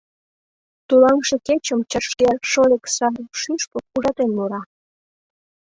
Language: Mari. Тулаҥше кечым чашкер шойык сар шӱшпык ужатен мура.